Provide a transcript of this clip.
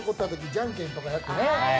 じゃんけんとかやってね。